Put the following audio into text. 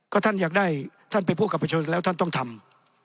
ก็ท่านอยากได้ท่านไปพูดกับประชนแล้วท่านต้องทำ